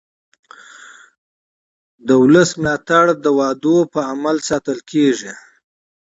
د ولس ملاتړ د ژمنو په عمل ساتل کېږي